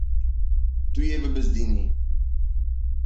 Tu yê bibizdînî.